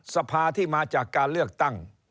สภาที่มาจากการเลือกตั้ง